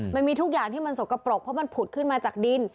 มันมีทุกอย่างที่มันสกปรกเพราะมันผุดขึ้นมาจากดิน